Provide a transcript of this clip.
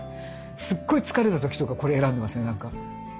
すっごい疲れた時とかこれ選んでますよなんか。